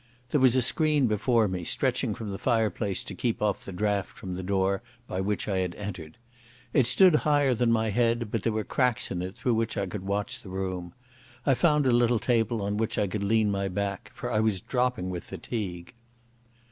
There was a screen before me, stretching from the fireplace to keep off the draught from the door by which I had entered. It stood higher than my head but there were cracks in it through which I could watch the room. I found a little table on which I could lean my back, for I was dropping with fatigue.